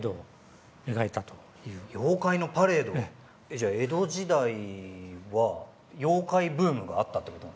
じゃあ江戸時代は妖怪ブームがあったってことですか？